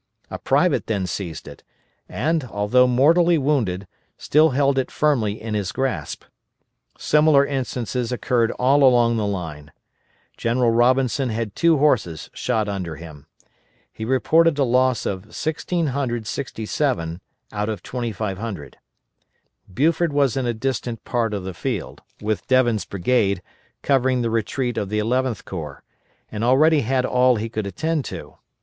A private then seized it, and, although mortally wounded, still held it firmly in his grasp. Similar instances occurred all along the line. General Robinson had two horses shot under him. He reported a loss of 1,667 out of 2,500. Buford was in a distant part of the field, with Devin's brigade, covering the retreat of the Eleventh Corps, and already had all he could attend to.